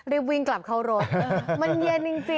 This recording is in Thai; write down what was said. รีบวิ่งกลับเข้ารถมันเย็นจริง